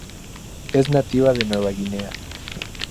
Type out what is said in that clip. Es nativa de Nueva Guinea.